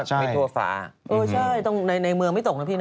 ใช่ในมือไม่ตกนะพี่